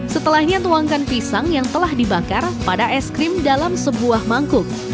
setelahnya tuangkan pisang yang telah dibakar pada es krim dalam sebuah mangkuk